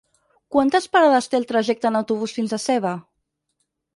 Quantes parades té el trajecte en autobús fins a Seva?